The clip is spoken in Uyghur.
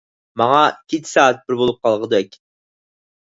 ماڭا كېچە سائەت بىر بولۇپ قالغۇدەك.